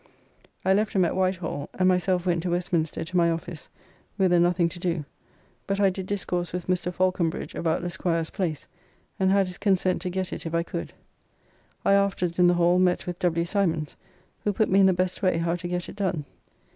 I left him at Whitehall, and myself went to Westminster to my office, whither nothing to do, but I did discourse with Mr. Falconbridge about Le Squire's place, and had his consent to get it if I could. I afterwards in the Hall met with W. Simons, who put me in the best way how to get it done.